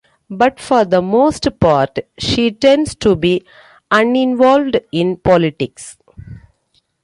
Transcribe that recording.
But, for the most part, she tends to be uninvolved in politics.